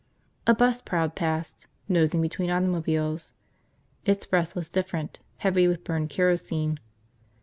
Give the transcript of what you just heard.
A bus prowled past, nosing between automobiles. Its breath was different, heavy with burned kerosene.